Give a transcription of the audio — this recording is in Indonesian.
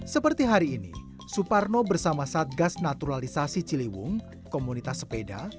seperti hari ini suparno bersama satgas naturalisasi ciliwung komunitas sepeda